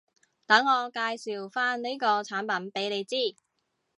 等我介紹返呢個產品畀你知